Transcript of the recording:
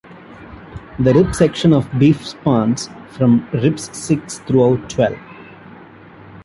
The rib section of beef spans from ribs six through twelve.